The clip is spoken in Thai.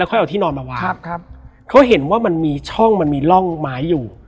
ค่อยเอาที่นอนมาวางครับครับเขาเห็นว่ามันมีช่องมันมีร่องไม้อยู่